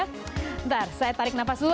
ntar saya tarik nafas dulu